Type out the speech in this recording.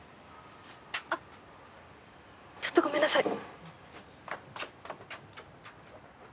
あっちょっとごめんなさい。